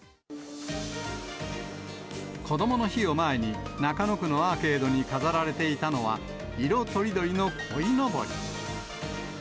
こどもの日を前に、中野区のアーケードに飾られていたのは、色とりどりのこいのぼり。